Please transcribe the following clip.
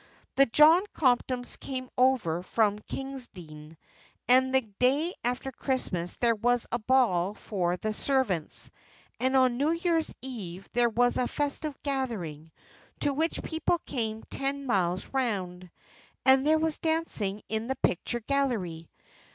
The John Comptons came over from Kingsdene, and the day after Christmas Day there was a ball for the servants; and on New Year's Eve there was a festive gathering, to which people came ten miles round, and there was dancing in the picture gallery.